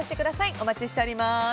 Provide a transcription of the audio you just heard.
お待ちしております。